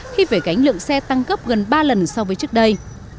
khi phải cánh lượng xe tăng gấp gần ba lần so với trước đây